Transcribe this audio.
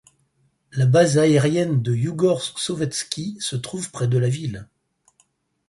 La base aérienne de Iougorsk Sovetski se trouve près de la ville.